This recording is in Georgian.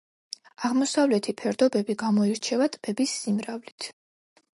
აღმოსავლეთი ფერდობები გამოირჩევა ტბების სიმრავლით.